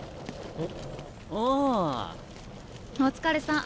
お疲れさん。